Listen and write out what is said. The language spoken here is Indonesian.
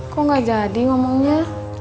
kok gak jadi ngomongnya